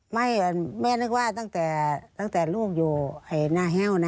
แม่นึกว่าตั้งแต่ลูกอยู่หน้าแห้วนะ